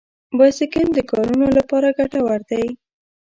بایسکل د کارونو لپاره ګټور دی.